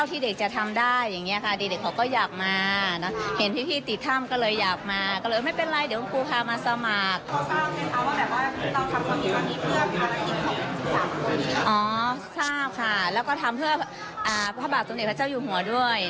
ทราบค่ะแล้วก็ทำเพื่อพระบาทสมเด็จพระเจ้าอยู่หัวด้วย